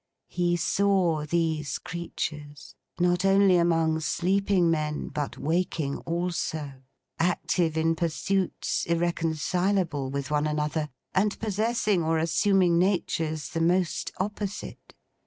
He saw these creatures, not only among sleeping men but waking also, active in pursuits irreconcilable with one another, and possessing or assuming natures the most opposite.